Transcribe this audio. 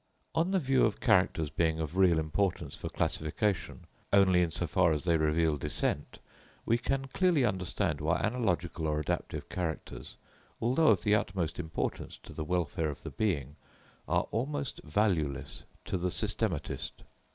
On the view of characters being of real importance for classification, only in so far as they reveal descent, we can clearly understand why analogical or adaptive characters, although of the utmost importance to the welfare of the being, are almost valueless to the systematist.